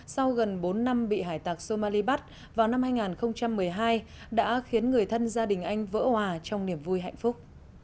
sau gần bốn năm bị hải tạc somali bắt vào năm hai nghìn một mươi hai đã khiến người thân gia đình anh vỡ hòa trong niềm vui hạnh phúc